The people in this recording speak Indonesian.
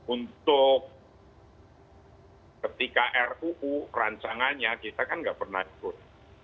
untuk ketika ruu rancangannya kita kan nggak pernah ikut